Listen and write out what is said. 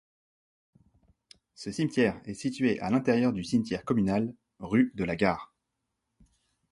Ce cimetière est situé à l'intérieur du cimetière communal, rue de la Gare.